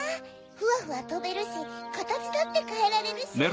フワフワとべるしかたちだってかえられるし。